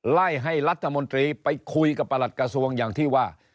ไล่ให้รัฐมนตรีไปคุยกับประหลัดกระทรวงอย่างที่ว่า